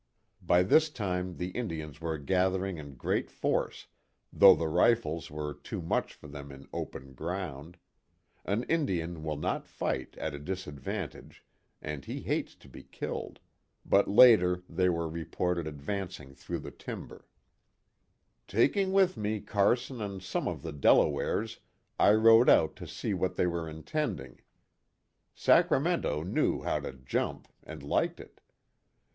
By this time the Indians were gathering in great force, though the rifles were too much for them in open ground an Indian will not fight at a disadvantage and he hates to be killed but later they were re ported advancing through the timber. KIT CARSON. 35 " Taking with me Carson and some of the Delawares I rode out to see what they were intending. ' Sacra mento ' knew how to jump and liked it.